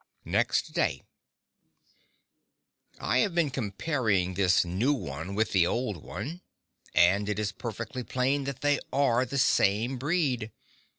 Next Day I have been comparing the new one with the old one, and it is perfectly plain that they are the same breed.